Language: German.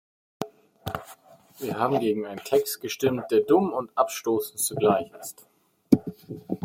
Wir haben gegen einen Text gestimmt, der dumm und abstoßend zugleich ist.